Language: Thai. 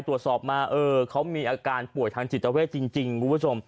ตรวจสอบมาเออเขามีอาการป่วยทางจิตเวทจริงคุณผู้ชม